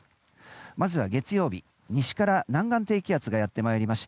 まずは月曜日、西から南岸低気圧がやってまいりまして